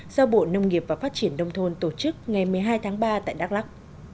do bộ nông nghiệp và phát triển đông thôn tổ chức ngày một mươi hai tháng ba tại đắk lắc